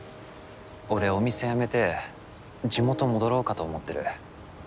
俺お店辞めて地元戻ろうかと思ってる。